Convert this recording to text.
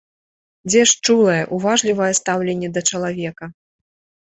Дзе ж чулае, уважлівае стаўленне да чалавека?